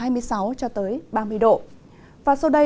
và sau đây sẽ là những nơi có mưa và mưa